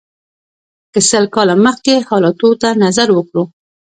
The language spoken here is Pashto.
که سل کاله مخکې حالاتو ته نظر وکړو.